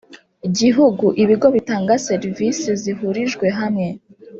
gihugu ibigo bitanga serivisi zihurijwe hamwe